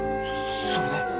それで？